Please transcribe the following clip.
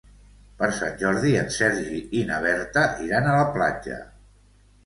Per Sant Jordi en Sergi i na Berta iran a la platja.